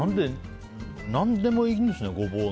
何でもいいんですね、ゴボウ。